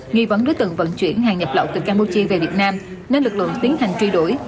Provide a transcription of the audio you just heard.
nghi vấn đối tượng vận chuyển hàng nhập lậu từ campuchia về việt nam nên lực lượng tiến hành truy đuổi